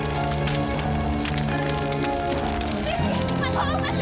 mama papa sudah menunggu